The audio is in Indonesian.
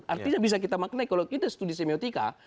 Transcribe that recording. artinya bisa kita maknai kalau kita studi semiotika